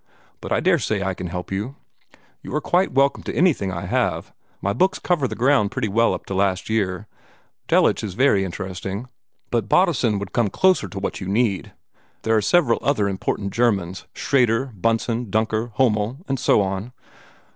But I daresay I can help you. You are quite welcome to anything I have: my books cover the ground pretty well up to last year. Delitzsch is very interesting; but Baudissin's 'Studien zur Semitischen Religionsgeschichte' would come closer to what you need. There are several other important Germans Schrader, Bunsen, Duncker, Hommel, and so on."